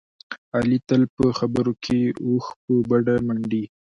علي تل په خبرو کې اوښ په بډه منډي.